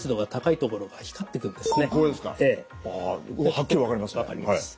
はっきり分かりますね。